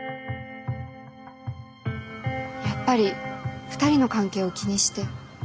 やっぱり２人の関係を気にして。